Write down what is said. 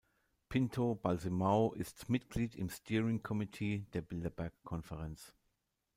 Pinto Balsemão ist Mitglied im Steering Committee der Bilderberg-Konferenz.